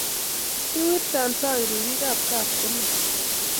kiwirtan sang' ribikab kapkomen.